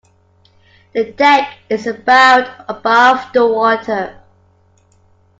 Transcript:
The deck is about above the water.